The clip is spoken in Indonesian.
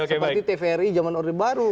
seperti tvri zaman orde baru